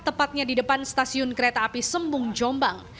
tepatnya di depan stasiun kereta api sembung jombang